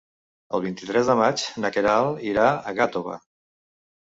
El vint-i-tres de maig na Queralt irà a Gàtova.